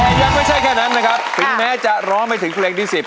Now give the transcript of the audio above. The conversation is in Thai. แต่ยังไม่ใช่แค่นั้นนะครับถึงแม้จะร้องไม่ถึงเพลงที่๑๐